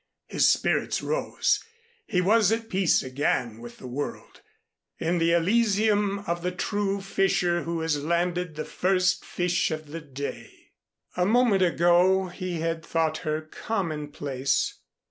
His spirits rose. He was at peace again with the world, in the elysium of the true fisher who has landed the first fish of the day. A moment ago he had thought her commonplace.